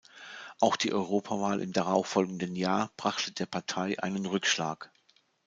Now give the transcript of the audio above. Auch die Europawahl im darauffolgenden Jahr brachte der Partei einen Rückschlag.